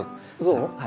そう？